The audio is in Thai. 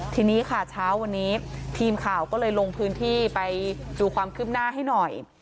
ทีนี้ค่ะเช้าวันนี้ทีมข่าวก็เลยลงพื้นที่ไปดูความคืบหน้าให้หน่อย